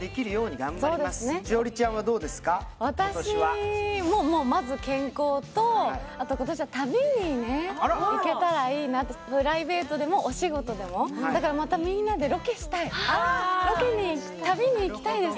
今年は私ももうまず健康とあと今年は旅にね行けたらいいなとプライベートでもお仕事でもだからまたみんなでロケしたいああロケに旅に行きたいです